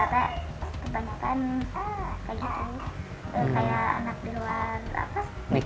harapnya kebanyakan kayak gitu